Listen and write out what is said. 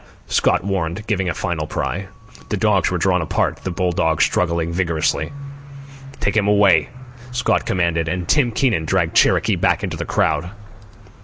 Scott warned, giving the final pry. The dogs were drawn apart, the bull dog struggling vigorously. "Take him away," Scott commanded, and Tim Keenan dragged Cherokee back into the crowd.